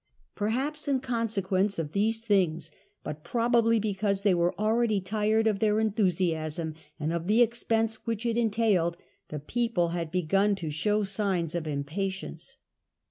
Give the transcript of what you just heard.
Perhaps in consequence of these things, but probably because they were already tired of their enthusiasm and of the expense which it entailed, the people had begun to show signs of impatience.